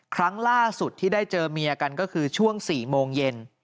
ครั้งล่าสุดที่ได้เจอเมียกันก็คือช่วง๔โมงเย็น